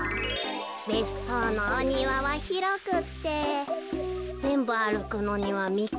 べっそうのおにわはひろくってぜんぶあるくのにはみっかもかかります。